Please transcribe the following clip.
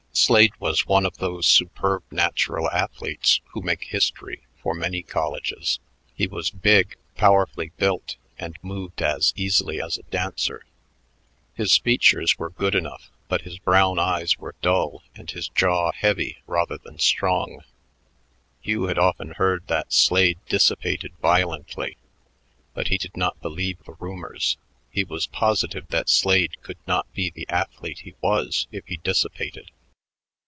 Slade was one of those superb natural athletes who make history for many colleges. He was big, powerfully built, and moved as easily as a dancer. His features were good enough, but his brown eyes were dull and his jaw heavy rather than strong. Hugh had often heard that Slade dissipated violently, but he did not believe the rumors; he was positive that Slade could not be the athlete he was if he dissipated.